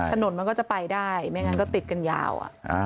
ถนนมันก็จะไปได้ไม่งั้นก็ติดกันยาว